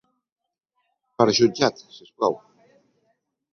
Per jutjat, si us plau.